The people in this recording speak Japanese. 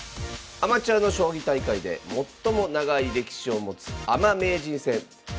アマチュアの将棋大会で最も長い歴史を持つアマ名人戦。